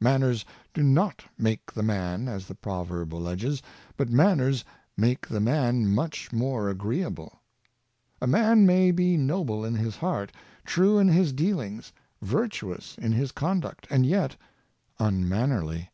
Manners do not make the man, as the proverb alleges; but manners make the man much more agreeable. A man may be noble in his heart, true in his dealings, virtuous in his conduct, and yet unmannerly.